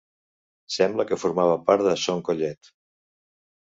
Sembla que formava part de Son Collet.